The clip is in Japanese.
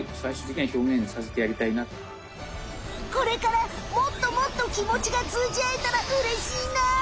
これからもっともっときもちがつうじあえたらうれしいな！